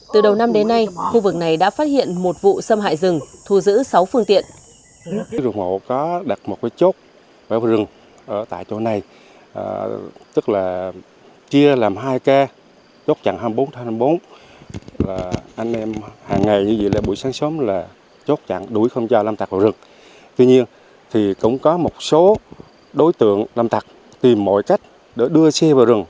từ đầu năm đến nay khu vực này đã phát hiện một vụ xâm hại rừng thu giữ sáu phương tiện